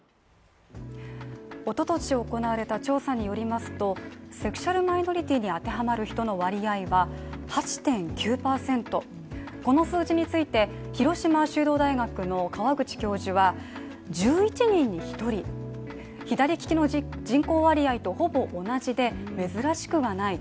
一昨年行われた調査によりますと、セクシャルマイノリティーに当てはまる人の割合は８．９％、この数字について、広島修道大学の河口教授は１１人に１人左利きの人口割合とほぼ同じで、珍しくはない。